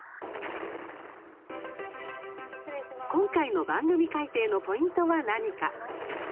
今回の番組改定のポイントは何か。